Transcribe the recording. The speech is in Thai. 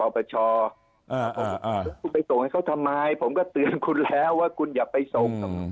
แล้วคุณไปส่งให้เขาทำไมผมก็เตือนคุณแล้วว่าคุณอย่าไปส่ง